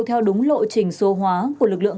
theo đúng lộ trình số hóa của lực lượng